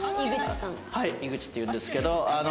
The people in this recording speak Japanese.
井口っていうんですけど。